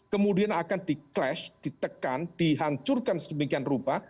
kemudian akan di clash ditekan dihancurkan sedemikian rupa